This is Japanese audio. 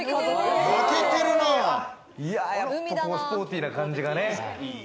やっぱスポーティーな感じがね。